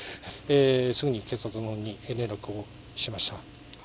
すぐに警察のほうに連絡をしました。